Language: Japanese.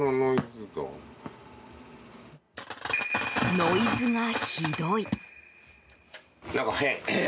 ノイズがひどい。